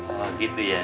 oh gitu ya